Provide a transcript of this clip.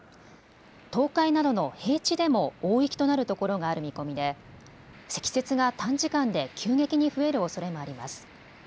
東海などの平地でも大雪となるところがある見込みで積雪が短時間で急激に増えるおそれもあります。